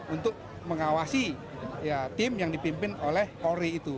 untuk mengawasi tim yang dipimpin oleh polri itu